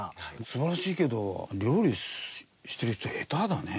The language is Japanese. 素晴らしいけど料理してる人下手だね。